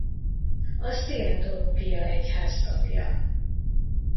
A Szcientológia Egyház tagja.